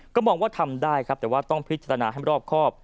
ก็มองว่าทำได้ครับแต่ว่าต้องพิจารณาให้รอบครอบ